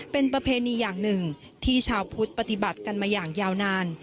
เป็นประเพณีอย่างหนึ่งที่ชาวพุทธปฏิบัติกันมาอย่างยาวนาน